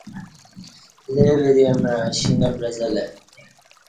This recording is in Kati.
لے وری مع اشی نہ بعزہ لہ ای